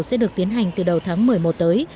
sẽ được tiến hành từ đầu tháng một mươi một tới